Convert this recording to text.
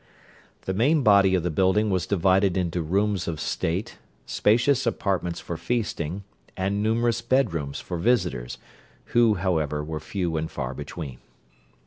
The main body of the building was divided into rooms of state, spacious apartments for feasting, and numerous bed rooms for visitors, who, however, were few and far between.